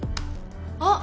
あっ！